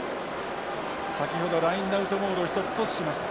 先ほどラインアウトモールを一つ阻止しました。